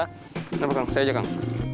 kenapa kamu saya aja kang